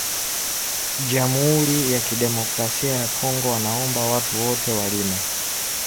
Mu jamuri ya ki democratia ya kongo bana lomba bantu bote barime